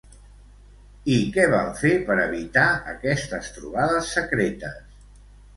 I què van fer per evitar aquestes trobades secretes?